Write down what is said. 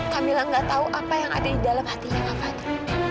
kak mila gak tahu apa yang ada di dalam hatinya kak fadil